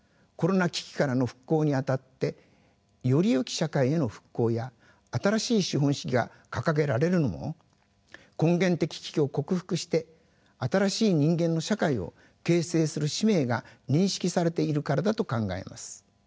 コロナ危機からの復興にあたってよりよき社会への復興や新しい資本主義が掲げられるのも根源的危機を克服して新しい人間の社会を形成する使命が認識されているからだと考えます。